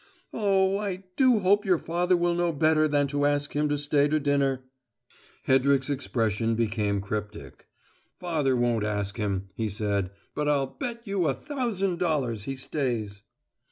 "Oh, I do hope your father will know better than to ask him to stay to dinner!" Hedrick's expression became cryptic. "Father won't ask him," he said. "But I'll bet you a thousand dollars he stays!"